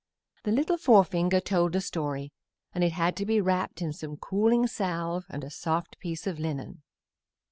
The little forefinger told the story, and it had to be wrapped in some cooling salve and a soft piece of linen.